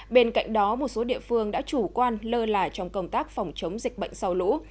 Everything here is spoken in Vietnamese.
bên cạnh đó một số địa phương đã chủ quan lơ là trong công tác phòng chống dịch bệnh sau lũ